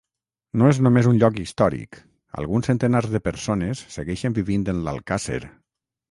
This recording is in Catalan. No és només un lloc històric, alguns centenars de persones segueixen vivint en l'alcàsser.